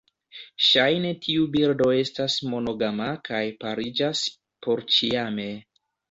Ŝajne tiu birdo estas monogama kaj pariĝas porĉiame.